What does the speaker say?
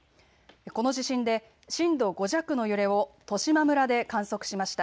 この地震で震度５弱の揺れを十島村で観測しました。